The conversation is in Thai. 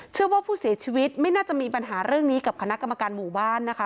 เชื่อว่าผู้เสียชีวิตไม่น่าจะมีปัญหาเรื่องนี้กับคณะกรรมการหมู่บ้านนะคะ